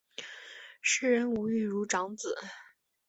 诗人吴玉如长子。